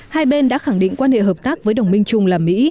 hai bên đã khẳng định quan hệ hợp tác với đồng minh trung là mỹ